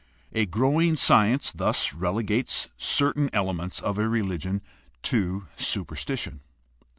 A growing science thus rele gates certain elements of a religion to superstition.